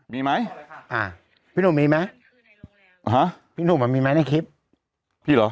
มีไหมอ่าพี่หนุ่มมีไหมฮะพี่หนุ่มอ่ะมีไหมในคลิปพี่เหรอ